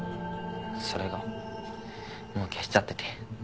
それがもう消しちゃってて。